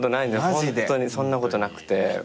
ホントにそんなことなくて。